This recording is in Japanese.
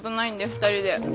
２人で？